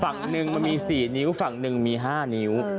ฝั่งหนึ่งมันมี๔นิ้วฝั่งหนึ่งมี๕นิ้ว